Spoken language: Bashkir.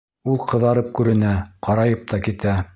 Ул ҡыҙарып күренә, ҡарайып та китә.